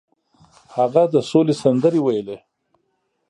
هغه د سولې سندرې ویلې.